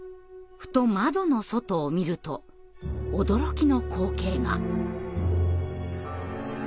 ふと窓の外を見ると驚きの光景が。